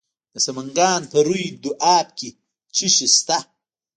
د سمنګان په روی دو اب کې څه شی شته؟